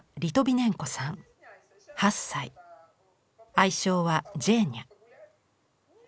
愛称はジェーニャ。